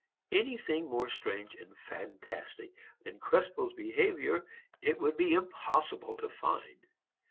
Anything more strange and fantastic than Krespel's behavior it would be impossible to find.